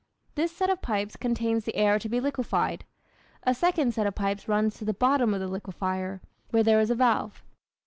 This set of pipes contains the air to be liquefied. A second set of pipes runs to the bottom of the liquefier, where there is a valve.